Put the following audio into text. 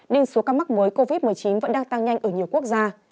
nên số ca mắc mới covid một mươi chín vẫn đang tăng nhanh ở nhiều quốc gia